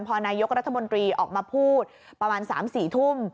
พอนายกรัฐมนตรีออกมาพูดประมาณ๓๔ทุ่ม